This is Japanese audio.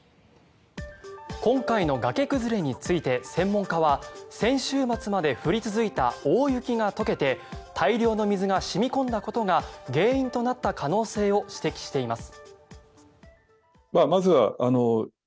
今回の崖崩れについて専門家は先週末まで降り続いた大雪が解けて大量の水が染み込んだことが原因となった可能性を指摘しています。